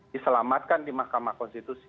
diselamatkan di mahkamah konstitusi